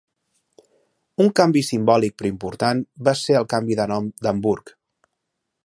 Un canvi simbòlic però important va ser el canvi de nom d'Hamburg.